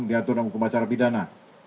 diatur hukum acara bidana